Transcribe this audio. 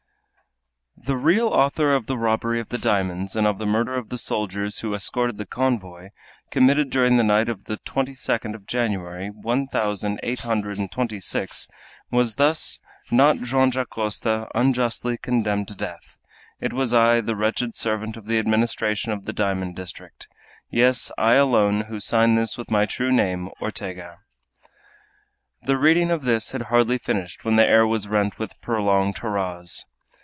_ "The real author of the robbery of the diamonds and of the murder of the soldiers who escorted the convoy, committed during the night of the twenty second of January, one thousand eight hundred and twenty six, was thus not Joam Dacosta, unjustly condemned to death; it was I, the wretched servant of the Administration of the diamond district; yes, I alone, who sign this with my true name, Ortega." The reading of this had hardly finished when the air was rent with prolonged hurrahs.